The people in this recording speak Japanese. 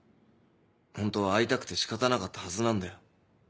ホントは会いたくて仕方なかったはずなんだよ。